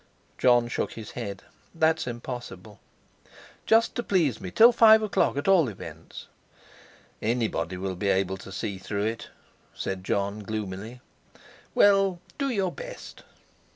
Jon shook his head. "That's impossible." "Just to please me; till five o'clock, at all events." "Anybody will be able to see through it," said Jon gloomily. "Well, do your best.